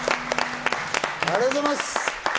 ありがとうございます！